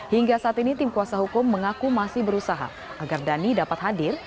hingga saat ini tim kuasa hukum mengaku masih berusaha agar dhani dapat hadir